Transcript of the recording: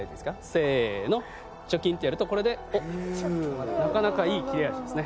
せのチョキンってやるとこれでなかなかいい切れ味ですね。